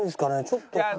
ちょっと。